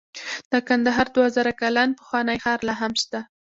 د کندهار دوه زره کلن پخوانی ښار لاهم شته